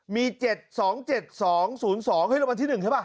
มี๗๒๗๒๐๒เข้าที่ละวันที่๑ใช่ป่ะ